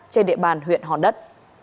trên địa bàn huyện hòn đất